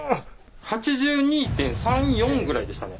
８２．３８２．４ぐらいでしたね。